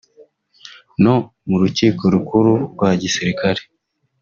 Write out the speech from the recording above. no mu rukiko rukuru rwa Gisirikare